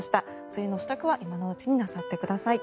梅雨の支度は今のうちになさってください。